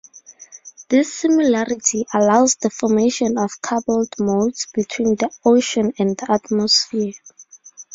This similarity allows the formation of coupled modes between the ocean and the atmosphere.